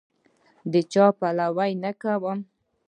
د چا پلوی نه کوم.